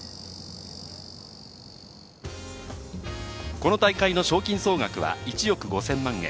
この大会の賞金総額は１億５０００万円。